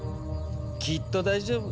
きっと大丈夫。